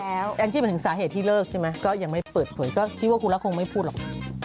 แอลน์จิฟตนิสสาเหตุที่เริ่มใช่ไหมก็ยังไม่เปิดเผยคิดว่าครูลักษณ์คงไม่พูดหรอก